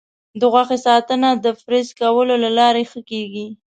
د غوښې ساتنه د فریز کولو له لارې ښه کېږي.